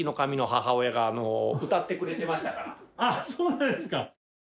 あっそうなんですか！